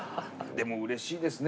でもうれしいですね。